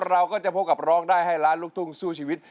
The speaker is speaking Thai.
เราก็จะพบกับร้องได้ให้ล้านลูกทุ่งสู้ชีวิต